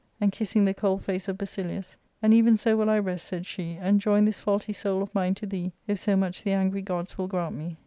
And kissing the cold face of Basilius, "And even so will I rest,'' said she, " and join this faulty soul of mine to tiiee, if so much the angry gods will grant me."